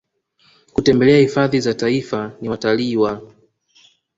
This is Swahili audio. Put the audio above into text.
kutembelea hifadhi za Taifa ni watalii wa